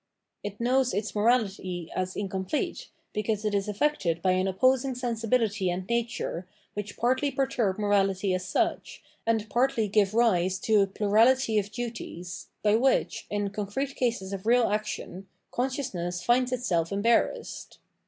Dissemblance 637 It knows its morality as incomplete because it is affected by an opposing sensibility and nature, which partly perturb morality as such, and partly give rise to a plurality of duties, by which, in concrete cases of real action, consciousness finds itself embarrassed.